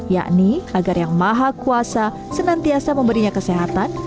yakni agar yang maha kuasa senantiasa memberinya kesehatan